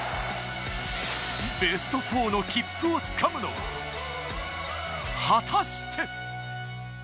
ベスト４の切符をつかむのは果たして。